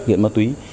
nghiện ma túy